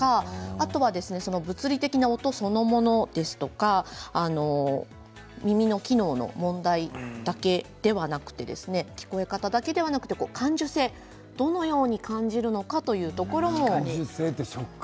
あとは物理的な音そのものですとか耳の機能の問題だけではなく聞こえ方だけではなく感受性、どのように感じるのかというところも。